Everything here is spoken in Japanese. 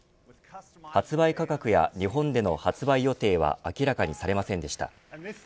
発売価格や日本での発売予定は明らかにされませんでした。